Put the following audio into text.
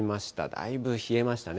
だいぶ冷えましたね。